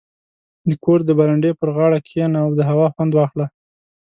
• د کور د برنډې پر غاړه کښېنه او د هوا خوند واخله.